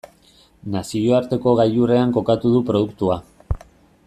Nazioarteko gailurrean kokatu du produktua.